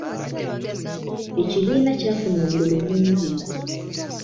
Ekibiina kyafuna obululu bungi.